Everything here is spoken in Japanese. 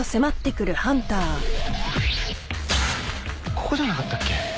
ここじゃなかったっけ？